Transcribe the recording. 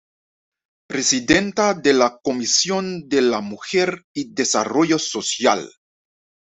Presidenta de la Comisión de la Mujer y Desarrollo Social.